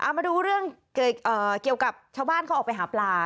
มาดูเรื่องเกี่ยวกับชาวบ้านเขาออกไปหาปลา